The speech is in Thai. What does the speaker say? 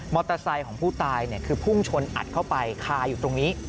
ของผู้ตายคือพุ่งชนอัดเข้าไปคาอยู่ตรงนี้